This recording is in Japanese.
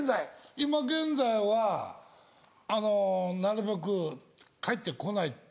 今現在はあのなるべく帰って来ないって。